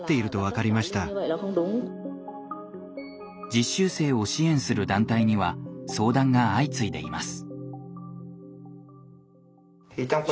実習生を支援する団体には相談が相次いでいます。